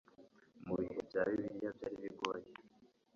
Mu bihe bya Bibiliya byaribigoye